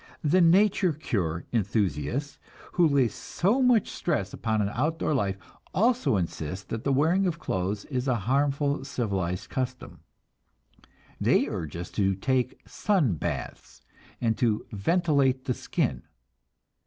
The "nature cure" enthusiasts, who lay so much stress upon an outdoor life, also insist that the wearing of clothes is a harmful civilized custom. They urge us to take "sun baths" and to "ventilate the skin."